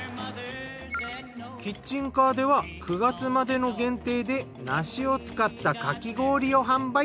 キッチンカーでは９月までの限定で梨を使ったかき氷を販売。